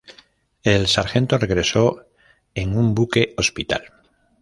El sargento regresó en un buque hospital.